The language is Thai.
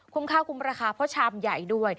ข้าวคุ้มราคาเพราะชามใหญ่ด้วย